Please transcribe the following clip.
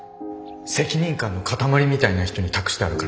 責任感の塊みたいな人に託してあるから。